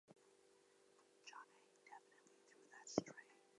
Furthermore, they represent the stripes of the zebra, the national animal of Botswana.